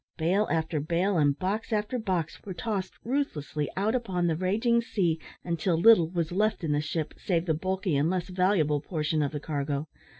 Bale after bale and box after box were tossed ruthlessly out upon the raging sea until little was left in the ship, save the bulky and less valuable portion of the cargo.